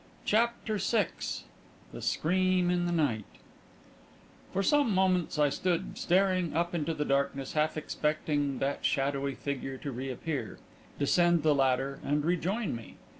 CHAPTER VI THE SCREAM IN THE NIGHT For some moments, I stood staring up into the darkness, half expecting that shadowy figure to reappear, descend the ladder, and rejoin me.